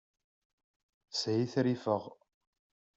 Shitrifeɣ.